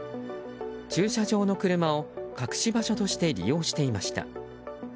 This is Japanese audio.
駐車場の車を隠し場所として利用していました。